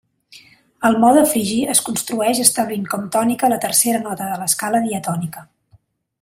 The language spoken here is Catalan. El mode frigi es construeix establint com tònica la tercera nota de l'escala diatònica.